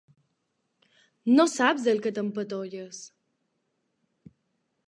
No saps el que t'empatolles!